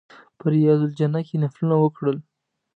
په ریاض الجنه کې نفلونه وکړل.